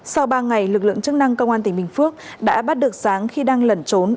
sau ba ngày lực lượng chức năng công an tp biên hòa đã bắt được sáng khi đang lẩn trốn